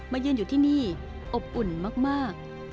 ยืนอยู่ที่นี่อบอุ่นมาก